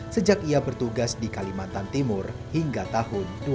sejak ia bertugas di kalimantan timur hingga tahun dua ribu dua